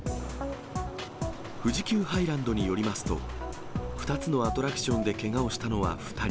富士急ハイランドによりますと、２つのアトラクションでけがをしたのは２人。